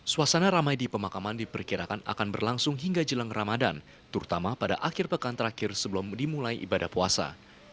suasana ramai di pemakaman diperkirakan akan berlangsung hingga jelang ramadan terutama pada akhir pekan terakhir sebelum dimulai ibadah puasa